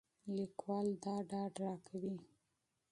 لیکوال دا ډاډ راکوي.